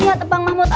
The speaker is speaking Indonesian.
lihat bang mahmud aja